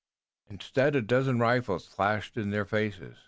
Instead a dozen rifles flashed in their faces.